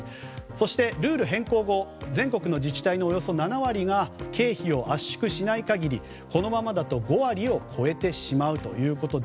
そして、ルール変更後全国の自治体のおよそ７割が経費を圧縮しない限りこのままだと５割を超えてしまうと。